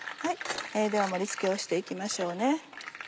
では盛り付けをして行きましょうね。